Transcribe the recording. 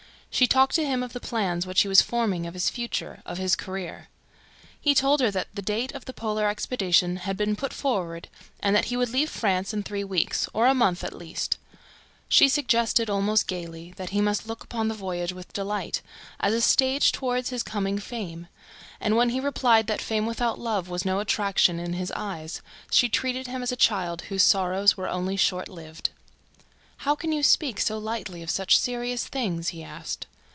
She talked to him of the plans which he was forming, of his future, of his career. He told her that the date of the Polar expedition had been put forward and that he would leave France in three weeks, or a month at latest. She suggested, almost gaily, that he must look upon the voyage with delight, as a stage toward his coming fame. And when he replied that fame without love was no attraction in his eyes, she treated him as a child whose sorrows were only short lived. "How can you speak so lightly of such serious things?" he asked.